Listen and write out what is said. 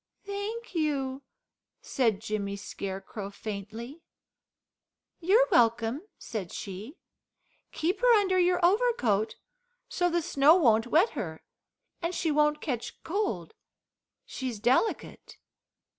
"Thank you," said Jimmy Scarecrow faintly. "You're welcome," said she. "Keep her under your overcoat, so the snow won't wet her, and she won't catch cold, she's delicate."